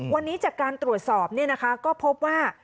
วันนี้จากการตรวจสอบก็พบว่า